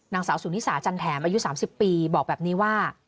นางสาวสุนิสาจันแถมอายุ๓๐ปีบอกแบบนี้ว่า